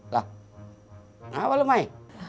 nah kenapa lo mai